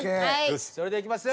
それではいきますよ。